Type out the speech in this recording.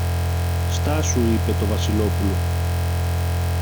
Στάσου, είπε το Βασιλόπουλο.